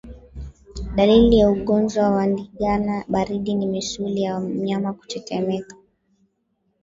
Dalili za ugonjwa wa ndigana baridi ni misuli ya mnyama kutetemeka